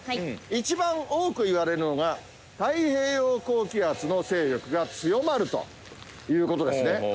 一番多く言われるのが太平洋高気圧の勢力が強まるという事ですね。